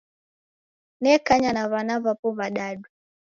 Nekanya na w'ana w'apo w'adadu.